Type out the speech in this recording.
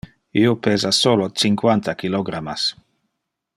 Io pesa solo cinquanta kilogrammas.